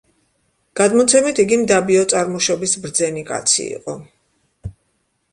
გადმოცემით, იგი მდაბიო წარმოშობის ბრძენი კაცი იყო.